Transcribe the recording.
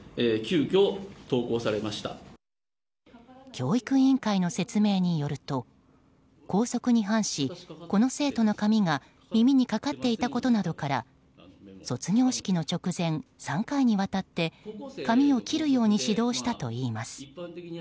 教育委員会の説明によると校則に反し、この生徒の髪が耳にかかっていたことなどから卒業式の直前、３回にわたって髪を切るように指導したといいます。